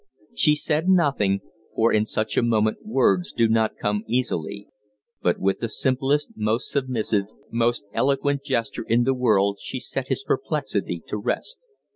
She said nothing, for in such a moment words do not come easily, but with the simplest, most submissive, most eloquent gesture in the world she set his perplexity to rest.